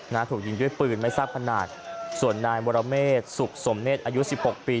ถูกยิงด้วยปืนไม่ทราบขนาดส่วนนายมรเมษสุขสมเนศอายุสิบหกปี